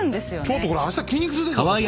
ちょっとこれ明日筋肉痛です私これ。